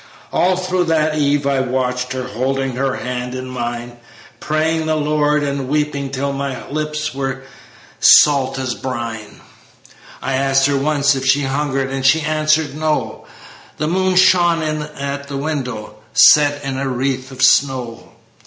"All through that eve I watched her, Holding her hand in mine, Praying the Lord, and weeping, Till my lips were salt as brine. I asked her once if she hungered, And as she answered 'No,' The moon shone in at the window Set in a wreath of snow.